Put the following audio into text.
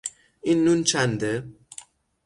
این نون چنده؟